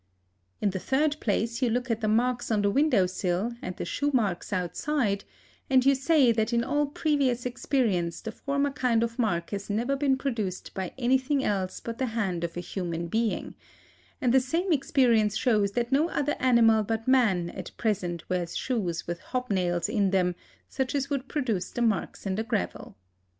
In the third place, you look at the marks on the windowsill, and the shoe marks outside, and you say that in all previous experience the former kind of mark has never been produced by anything else but the hand of a human being; and the same experience shows that no other animal but man at present wears shoes with hob nails in them such as would produce the marks in the gravel.